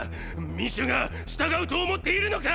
民衆が従うと思っているのか